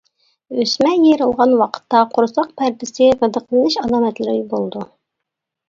ئۆسمە يېرىلغان ۋاقىتتا قورساق پەردىسى غىدىقلىنىش ئالامەتلىرى بولىدۇ.